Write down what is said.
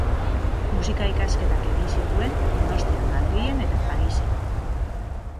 Musika ikasketak egin zituen Donostian, Madrilen eta Parisen.